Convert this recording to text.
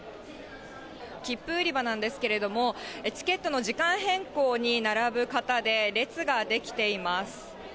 切符売り場なんですけれども、チケットの時間変更に並ぶ方で列が出来ています。